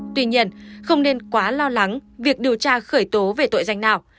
tuy nhiên không nên quá lo lắng việc điều tra khởi tố về tội danh nào